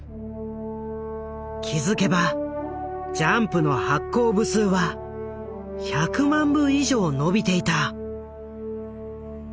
気付けばジャンプの発行部数は１００万部以上伸びていた。